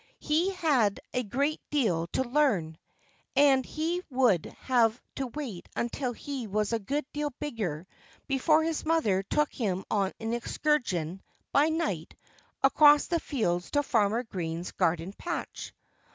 He had a great deal to learn. And he would have to wait until he was a good deal bigger before his mother took him on an excursion, by night, across the fields to Farmer Green's garden patch.